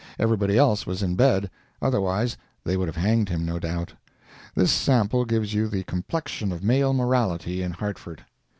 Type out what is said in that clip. Everybody else was in bed—otherwise they would have hanged him, no doubt. This sample gives you the complexion of male morality in Hartford.